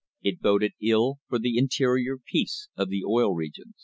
It boded ill for the interior peace of the Oil Regions.